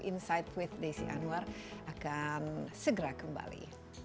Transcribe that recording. insight with desi anwar akan segera kembali